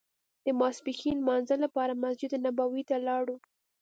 د ماسپښین لمانځه لپاره مسجد نبوي ته لاړو.